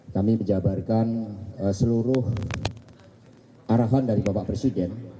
kami menjabarkan seluruh arahan dari bapak presiden